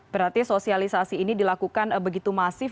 berarti sosialisasi ini dilakukan begitu masif